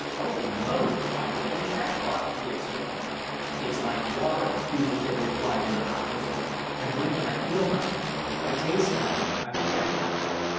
"Holy Moses! why, you've finished that bottle!" he exclaimed. "It's like water," the fugitive replied in a hot whisper, "I drink and I feel nothing; I taste nothing I forget nothing!